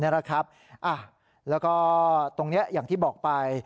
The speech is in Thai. แล้วก็ตรงนี้อย่างที่บอกไป